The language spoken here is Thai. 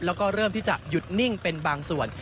แล้วก็เริ่มที่จะหยุดนิ่งเป็นบางส่วน